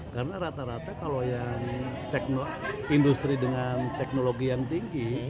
karena rata rata kalau yang industri dengan teknologi yang tinggi